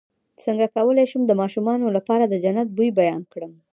څنګه کولی شم د ماشومانو لپاره د جنت د بوی بیان کړم